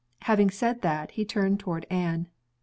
Having said that, he turned toward Anne.